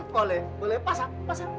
boleh boleh pasang pasang